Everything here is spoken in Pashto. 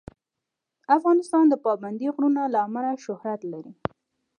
افغانستان د پابندی غرونه له امله شهرت لري.